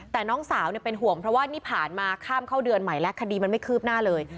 แต่น้องสาวเป็นห่วงเพราะว่านี่ผ่านมาข้ามเข้าเดือนใหม่แล้วคดีมันไม่คืบหน้าเลย